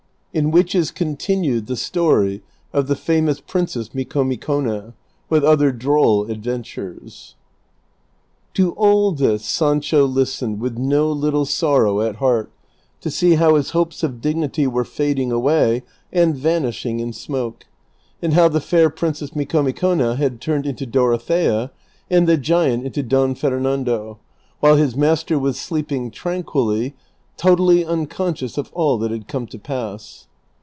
IN WHICH IS CONTINUEU THE STOKY OK THE FAMOUS PRIN CESS MICOMICOlSrA, WITH OTHEK DKOLL ADVENTURES. To all this Sancho listened with no little sorrow at heart to see how his hopes of dignity were fading away and vanishing in smoke, and how the fair princess Micomicona had turned into Dorothea, and the giant into Don Fernando, while his master was sleeping tranquilly, totally imconscious of all that had come to pass.